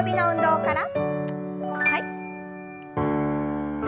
はい。